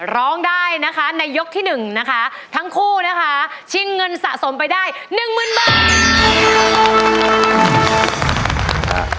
ร้องได้นะคะในยกที่๑นะคะทั้งคู่นะคะชิงเงินสะสมไปได้หนึ่งหมื่นบาท